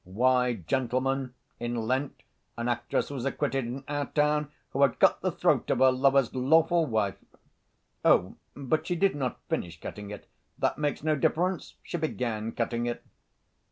"Why, gentlemen, in Lent an actress was acquitted in our town who had cut the throat of her lover's lawful wife." "Oh, but she did not finish cutting it." "That makes no difference. She began cutting it."